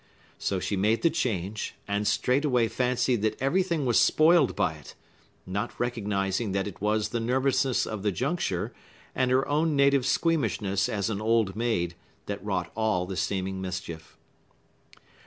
So she made the change, and straightway fancied that everything was spoiled by it; not recognizing that it was the nervousness of the juncture, and her own native squeamishness as an old maid, that wrought all the seeming mischief.